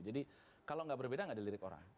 jadi kalau gak berbeda gak ada lirik orang